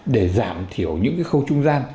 để giảm thiểu những cái khâu trung gian